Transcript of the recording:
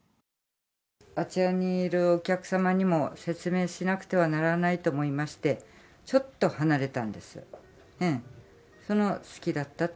あちらにいるお客様にも説明しなくてはならないと思いまして、ちょっと離れたんです。